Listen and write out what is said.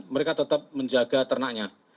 mereka tetap menjaga ternaknya